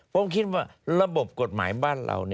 ผมคิดว่าระบบกฎหมายบ้านเรา